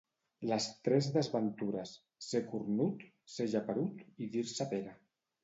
Les tres desventures: ser cornut, ser geperut i dir-se Pere.